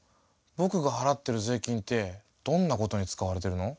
ぼくが払ってる税金ってどんなことに使われてるの？